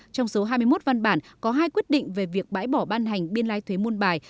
trong số hai mươi một văn bản có hai quyết định về việc bãi bỏ ban hành biên lai thuế muôn bài